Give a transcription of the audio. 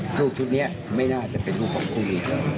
ชุดนี้ไม่น่าจะเป็นลูกของคู่นี้